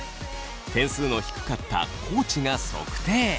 点数の低かった地が測定。